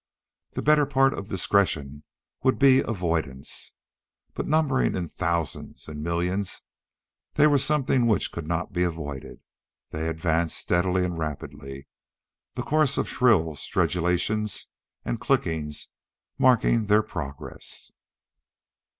The better part of discretion would be avoidance. But numbering in the thousands and millions, they were something which could not be avoided. They advanced steadily and rapidly; the chorus of shrill stridulations and clickings marking their progress.